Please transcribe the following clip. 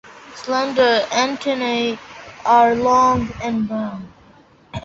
Slender antennae are long and brown.